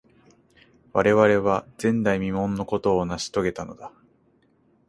我々は、前代未聞のことを成し遂げたのだ。